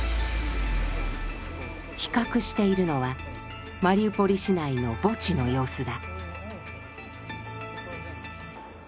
比較しているのはマリウポリ市内の墓地の様子だ。